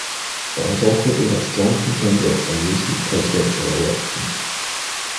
It has also been a strong contender in recent presidential elections.